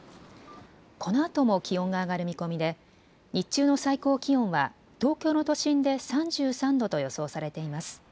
このあとも気温が上がる見込みで日中の最高気温は東京の都心で３３度と予想されています。